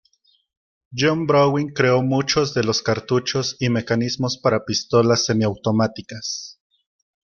John Browning creó muchos de los cartuchos y mecanismos para pistolas semiautomáticas.